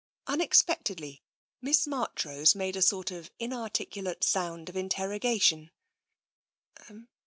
Unexpectedly, Miss Marchrose made a sort of inar ticulate sound of interrogation.